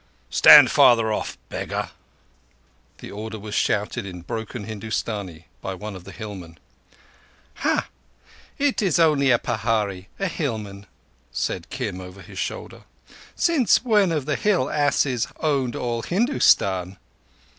"Stand farther off, beggar!" The order was shouted in broken Hindustani by one of the hillmen. "Huh! It is only a pahari (a hillman)", said Kim over his shoulder. "Since when have the hill asses owned all Hindustan?"